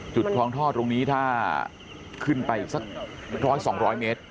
จุดพร้อมทอดตรงนี้ถ้าขึ้นไปสักร้อยสองร้อยเมตร